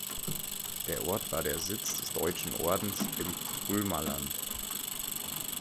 Der Ort war der Sitz des Deutschen Ordens im Kulmerland.